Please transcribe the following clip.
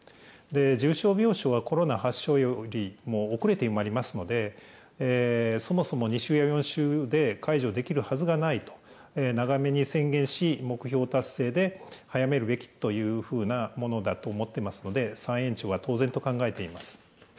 重症病床は、コロナ発症日よりも遅れて埋まりますので、そもそも２週や４週で解除できるはずがないと、長めに宣言し、目標達成で早めるべきというふうなものだと思っていますので、再延長は当然と考えています。